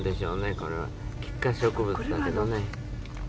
これは、キク科植物だけどね。